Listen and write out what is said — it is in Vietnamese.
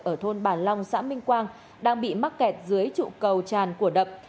ở thôn bà long xã minh quang đang bị mắc kẹt dưới trụ cầu tràn của đập